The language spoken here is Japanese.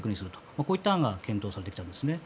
こういった案が検討されてきたんですね。